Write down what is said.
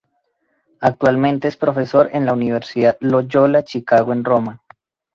Actualmente es profesor en la Universidad Loyola Chicago en Roma.